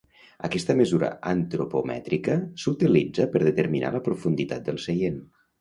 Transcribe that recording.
Aquesta mesura antropomètrica s'utilitza per determinar la profunditat del seient.